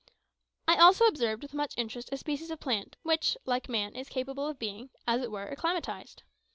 I also observed, with much interest, a species of plant which, like man, is capable of being, as it were, acclimatised.